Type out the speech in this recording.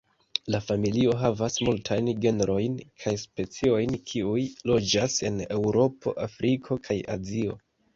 La familio havas multajn genrojn kaj speciojn kiuj loĝas en Eŭropo, Afriko kaj Azio.